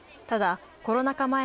ただコロナ禍